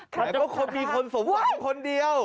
ใครก็คนนี้คนสมฝากคนเดียว